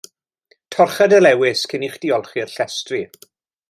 Torcha dy lewys cyn i chdi olchi'r llestri.